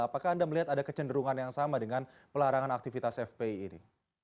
apakah anda melihat ada kecenderungan yang sama dengan pelarangan aktivitas fpi ini